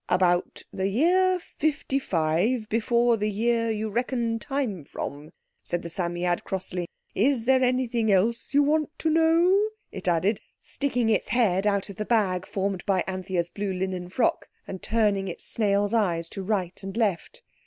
"About the year fifty five before the year you reckon time from," said the Psammead crossly. "Is there anything else you want to know?" it added, sticking its head out of the bag formed by Anthea's blue linen frock, and turning its snail's eyes to right and left.